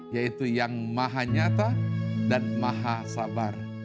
yaitu yang maha nyata dan maha sabar